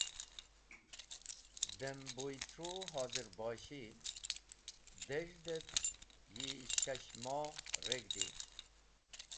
Dem Buytru hozirboshi dez̃hd et yi shash moh reg̃hdi.